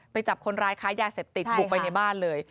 จับคนร้ายค้ายาเสพติดบุกไปในบ้านเลย